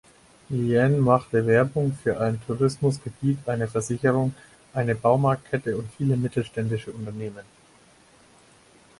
Liane machte Werbung für ein Tourismusgebiet, eine Versicherung, eine Baumarktkette und viele mittelständische Unternehmen.